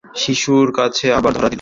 শিশুর কাছে আবার ধরা দিল।